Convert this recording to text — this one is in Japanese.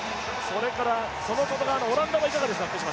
その外側、オランダはいかがですか？